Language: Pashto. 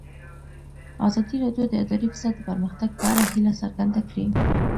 ازادي راډیو د اداري فساد د پرمختګ په اړه هیله څرګنده کړې.